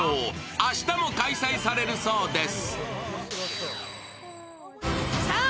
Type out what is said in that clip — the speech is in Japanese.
明日も開催されるそうです。